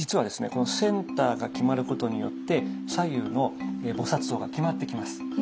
このセンターが決まることによって左右の菩像が決まってきます。